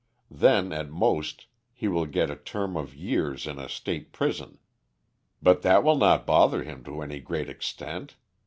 Then, at most, he will get a term of years in a state prison, but that will not bother him to any great extent.